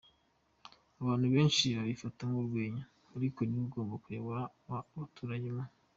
abantu benshi babifata nkurwenya ariko niwe ugomba kuyobora aba baturage mu.